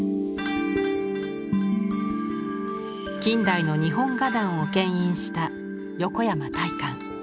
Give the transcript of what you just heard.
近代の日本画壇をけん引した横山大観。